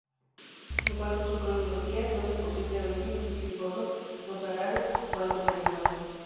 En cuanto a su cronología, son de posible origen visigodo, mozárabe o altomedieval.